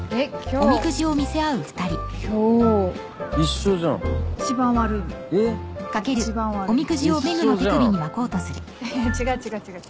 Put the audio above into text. ははっいや違う違う違う。